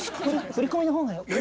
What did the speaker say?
振り込みのほうがよかった？